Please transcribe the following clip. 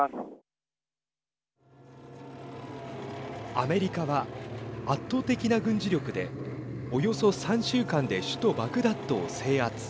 アメリカは圧倒的な軍事力でおよそ３週間で首都バグダッドを制圧。